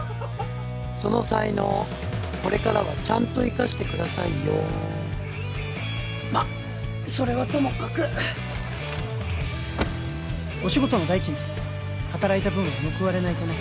その才能これからはちゃんと生かしてくださいよまっそれはともかくお仕事の代金です働いた分は報われないとね